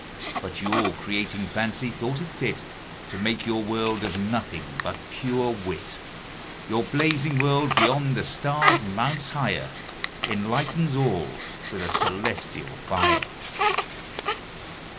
But your Creating Fancy, thought it fit To make your World of Nothing, but pure Wit. Your Blazing World, beyond the Stars mounts higher, Enlightens all with a Cœlestial Fier. William Newcastle.